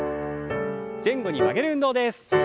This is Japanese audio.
前後に曲げる運動です。